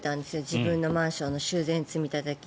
自分のマンションの修繕積立金。